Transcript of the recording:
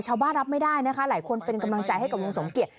รับไม่ได้นะคะหลายคนเป็นกำลังใจให้กับลุงสมเกียจ